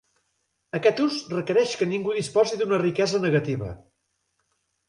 Aquest ús requereix que ningú disposi d'una riquesa negativa.